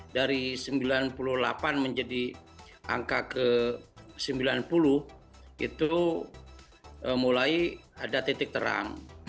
dari sembilan puluh delapan menjadi angka ke sembilan puluh itu mulai ada titik terang